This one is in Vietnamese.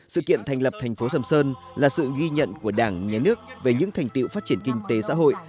sự kiện thành lập thành phố sầm sơn là sự ghi nhận của đảng nhà nước về những thành tiệu phát triển kinh tế xã hội